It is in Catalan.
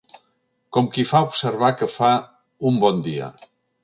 Com qui fa observar que fa un bon dia